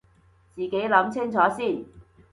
自己諗清楚先